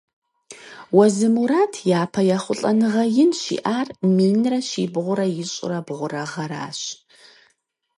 Уэзы Мурат япэ ехъулӏэныгъэ ин щиӏар минрэ щибгъурэ ищӏрэ бгъурэ гъэращ.